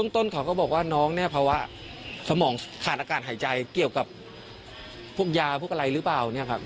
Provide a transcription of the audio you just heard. ต้นเขาก็บอกว่าน้องเนี่ยภาวะสมองขาดอากาศหายใจเกี่ยวกับพวกยาพวกอะไรหรือเปล่าเนี่ยครับ